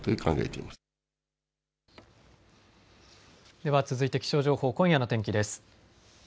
では続いて気象情報、今夜の天気です。